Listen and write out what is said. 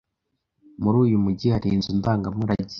Muri uyu mujyi hari inzu ndangamurage?